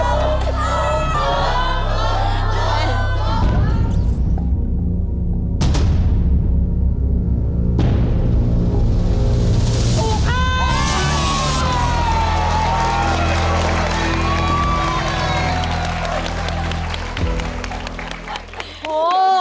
โอ้โฮ